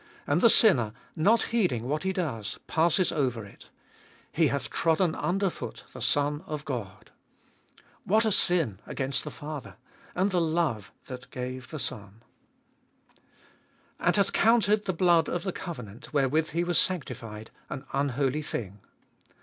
And the sinner, not heeding what he does, passes over it : he hath trodden under foot the Son of God ! What a sin against the Father and the love that gave the Son ! And hath counted the blood of the covenant, wherewith he was sanctified, an unholy thing.